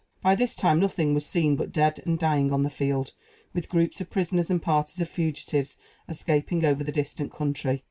By this time nothing was seen but dead and dying on the field, with groups of prisoners, and parties of fugitives escaping over the distant country.